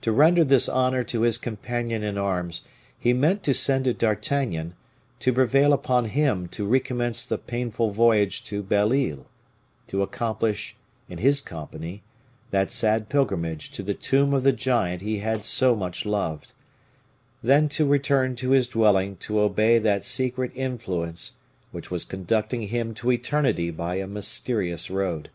To render this honor to his companion in arms, he meant to send to D'Artagnan, to prevail upon him to recommence the painful voyage to Belle Isle, to accomplish in his company that sad pilgrimage to the tomb of the giant he had so much loved, then to return to his dwelling to obey that secret influence which was conducting him to eternity by a mysterious road.